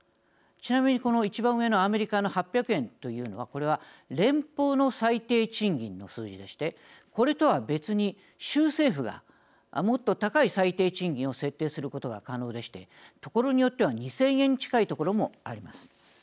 ちなみにこの一番上のアメリカの８００円というのはこれは連邦の最低賃金の数字でしてこれとは別に州政府がもっと高い最低賃金を設定することが可能でして所によっては２０００円近い所もあります。